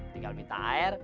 tinggal minta air